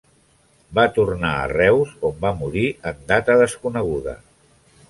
Va tornar a Reus, on va morir en data desconeguda.